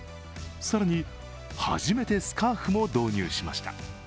更に初めてスカーフも導入しました。